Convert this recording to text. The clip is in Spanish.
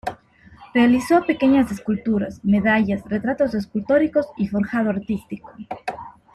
Realizó pequeñas esculturas, medallas, retratos escultóricos y forjado artístico.